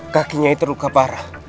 kaki nyai terluka parah